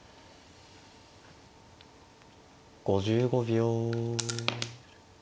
５５秒。